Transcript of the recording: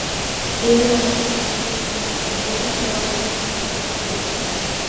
Er oshxona eshigi yaqiniga keldi-da, savolini tag‘in takrorladi.